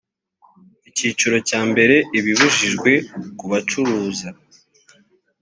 icyiciro cya mbere ibibujijwe ku bacuruza